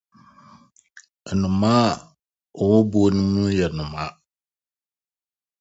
Nnomaa a wɔwɔ buw no mu no yɛ nnomaa.